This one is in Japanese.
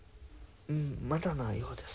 まだなようです。